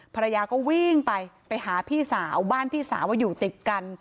ภรรยาก็วิ่งไปไปหาพี่สาวบ้านพี่สาวว่าอยู่ติดกัน